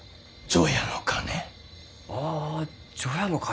除夜の鐘？